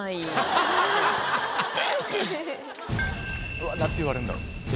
うわっなんて言われるんだろう。